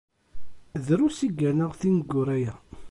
Drus i gganeɣ tineggura-ya.